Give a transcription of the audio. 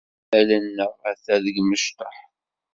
Imal-nneɣ ata deg imecṭaḥ.